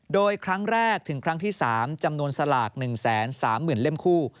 โดยครั้งแรกถึงครั้งที่๓จำนวนสลาก๑๓๐๐๐เล่มคู่